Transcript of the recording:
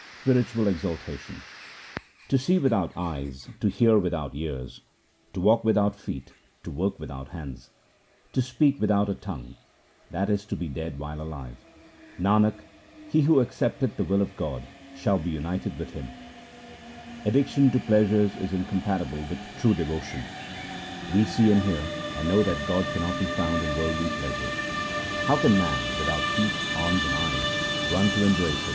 Spiritual exaltation :— To see without eyes, to hear without ears, To walk without feet, to work without «hands, To speak without a tongue — that is to be dead while alive. Nanak, he who accepteth the will of God shall be united with Him. Addiction to pleasures is incompatible with true devotion :— We see, and hear, and know that God cannot be found in worldly pleasures ; How can man without feet, arms, and eyes 2 run to em brace Him ? 1 This is, of course, said ironically.